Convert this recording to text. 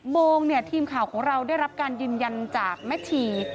โมงทีมข่าวของเราได้รับการยืนยันจากแม่ชี